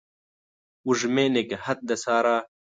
وږمې نګهت د سارا